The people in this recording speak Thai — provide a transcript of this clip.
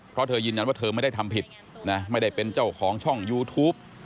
เพราะเธอยืนยันว่าเธอไม่ได้ทำผิดนะไม่ได้เป็นเจ้าของช่องยูทูป